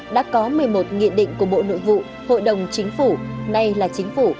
đã có một mươi một nghị định của bộ nội vụ hội đồng chính phủ nay là chính phủ